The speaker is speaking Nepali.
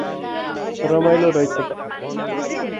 रमाइलो रैछ त ।